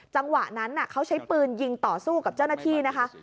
จังหวะนั้นเขาใช้ปืนยิงต่อสู้กับเจ้าหน้าที่นะคะ